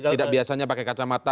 tidak biasanya pakai kacamata